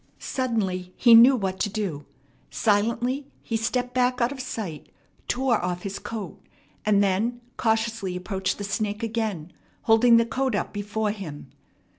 Suddenly he knew what to do. Silently he stepped back out of sight, tore off his coat, and then cautiously approached the snake again, holding the coat up before him.